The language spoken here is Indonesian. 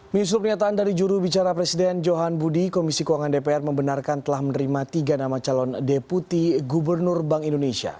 menyusul pernyataan dari jurubicara presiden johan budi komisi keuangan dpr membenarkan telah menerima tiga nama calon deputi gubernur bank indonesia